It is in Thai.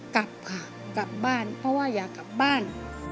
กลับค่ะกลับบ้านเพราะว่าอยากกลับบ้าน